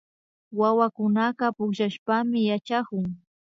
Wawakunaka pukllashpami yachakun